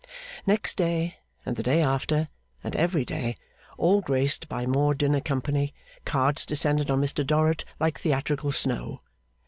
Next day, and the day after, and every day, all graced by more dinner company, cards descended on Mr Dorrit like theatrical snow.